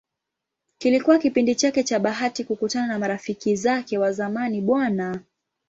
Kilikuwa kipindi chake cha bahati kukutana na marafiki zake wa zamani Bw.